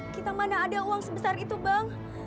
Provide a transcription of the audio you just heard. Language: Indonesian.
kita mana ada uang sebesar itu bang